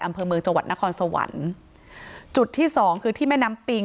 อำเภอเมืองจังหวัดนครสวรรค์จุดที่สองคือที่แม่น้ำปิง